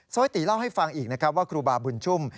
้อยตีเล่าให้ฟังอีกนะครับว่าครูบาบุญชุ่ม